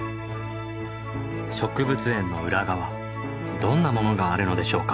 植物園の裏側どんなものがあるのでしょうか？